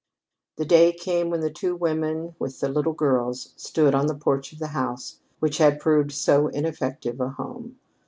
The day came when the two women, with the little girls, stood on the porch of the house which had proved so ineffective a home.